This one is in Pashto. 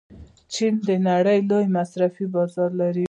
چین د نړۍ لوی مصرفي بازار لري.